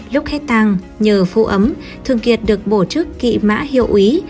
lúc hết tăng nhờ phụ ấm thường kiệt được bổ chức kỵ mã hiệu úy